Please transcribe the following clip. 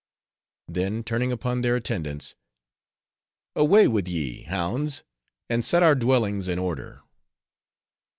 Then turning upon their attendants, "Away with ye, hounds! and set our dwellings in order."